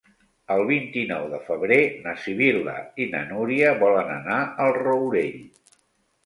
El vint-i-nou de febrer na Sibil·la i na Núria volen anar al Rourell.